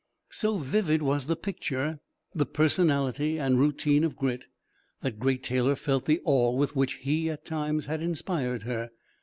So vivid was the picture, the personality and routine of Grit, that Great Taylor felt the awe with which he, at times, had inspired her.